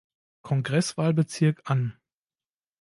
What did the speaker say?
Kongresswahlbezirk an.